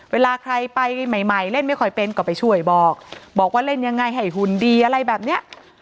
เวลาใครไปใหม่เล่นไม่ค่อยเป็นก็ไปช่วยบอกบอกว่าเล่นยังไงให้หุ่นดีอะไรแบบเนี้ย